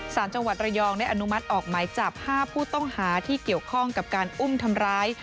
สารจังหวัดระยองได้อนุมัติออกหมายจับ๕ผู้ต้องหาที่เกี่ยวข้องกับการอุ้มทำร้าย